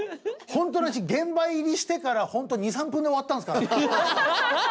ホントの話現場入りしてからホント２３分で終わったんですから。